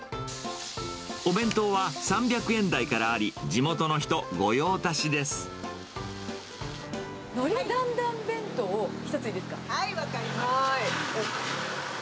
お弁当は３００円台からあり、海苔だんだん弁当を１ついいはい、分かりました。